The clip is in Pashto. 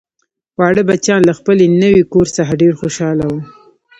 واړه بچیان له خپل نوي کور څخه ډیر خوشحاله وو